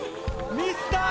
ミスター